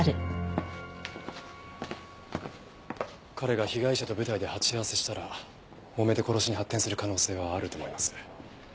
彼が被害者と舞台で鉢合わせしたらもめて殺しに発展する可能性はあると思います。